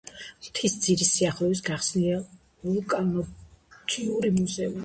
მთისძირის სიახლოვეს გახსნილია ვულკანოლოგიური მუზეუმი.